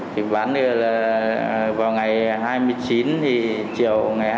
thì bán được là vào ngày hai mươi chín thì chiều ngày hai mươi chín